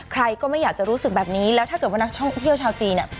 ใครก็ไม่อยากจะรู้สึกแบบนี้แล้วถ้าเกิดว่านักท่องเที่ยวชาวจีนเนี่ย